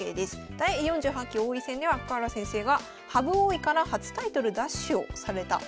第４８期王位戦では深浦先生が羽生王位から初タイトル奪取をされた棋戦でございます。